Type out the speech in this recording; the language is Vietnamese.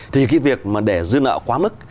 thì cái việc mà để dư nợ quá mức